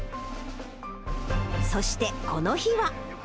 そしてこの日は。